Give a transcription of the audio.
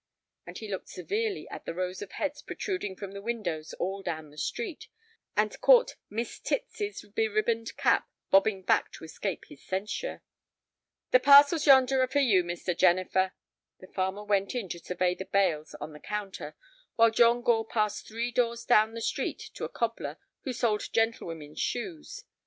And he looked severely at the row of heads protruding from the windows all down the street, and caught Miss Titsy's beribboned cap bobbing back to escape his censure. "The parcels yonder are for you, Mr. Jennifer." The farmer went in to survey the bales on the counter, while John Gore passed three doors down the street to a cobbler who sold gentlewomen's shoes.